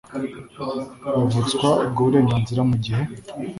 bavutswa ubwo burenganzira mu gihe